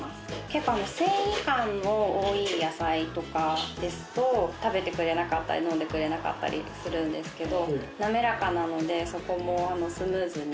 結構繊維感の多い野菜とかですと食べてくれなかったり飲んでくれなかったりするんですけどどう？